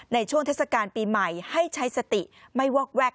เทศกาลปีใหม่ให้ใช้สติไม่วอกแวก